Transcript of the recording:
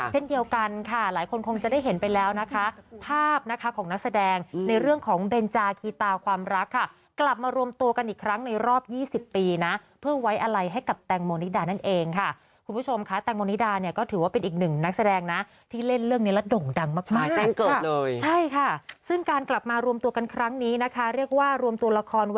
เช่นเดียวกันค่ะหลายคนคงจะได้เห็นไปแล้วนะคะภาพนะคะของนักแสดงในเรื่องของเบนจาคีตาความรักค่ะกลับมารวมตัวกันอีกครั้งในรอบ๒๐ปีนะเพื่อไว้อะไรให้กับแตงโมนิดานั่นเองค่ะคุณผู้ชมค่ะแตงโมนิดาเนี่ยก็ถือว่าเป็นอีกหนึ่งนักแสดงนะที่เล่นเรื่องนี้แล้วด่งดังมากมากเลยใช่ค่ะซึ่งการกลับมารวมตัวกันครั้งนี้นะคะเรียกว่ารวมตัวละคร